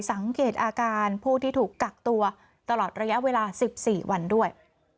สังเกตอาการผู้ที่ถูกกักตัวตลอดระยะเวลา๑๔วันด้วย